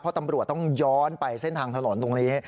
เพราะตำรวจต้องย้อนไปเส้นทางถนนตรงนี้